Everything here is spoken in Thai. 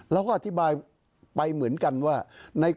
เราก็อธิบายไปเหมือนกันว่า